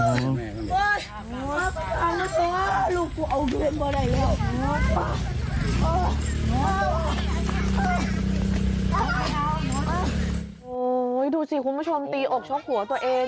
โอ้โหดูสิคุณผู้ชมตีอกชกหัวตัวเอง